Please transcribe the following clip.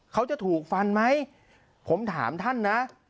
เขาจะถูกฟันไหมผมถามท่านนะ